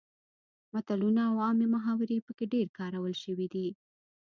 متلونه او عامې محاورې پکې ډیر کارول شوي دي